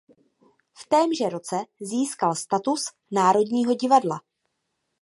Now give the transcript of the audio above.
V témže roce získal status národního divadla.